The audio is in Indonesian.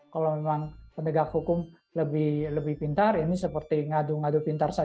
kalau memang pendegak hukum lebih pintar ini seperti ngadu ngadu